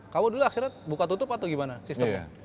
kamu dulu akhirnya buka tutup atau gimana sistemnya